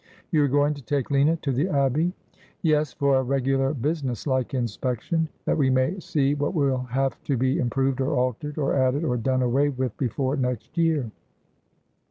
'You are going to take Lina to the Abbey?' ' Yes, for a regular businesslike inspection ; that we may see what will have to be improved or altered, or added or done away with before next year.'